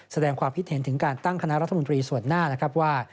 แสดงความคิดเห็นถึงการตั้งคณะรัฐมนตรีส่วนหน้านะครับว่า